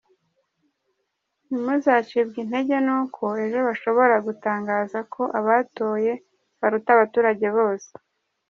Ntimuzacibwe intege n’uko ejo bashobora gutangaza ko abatoye baruta abaturage bose.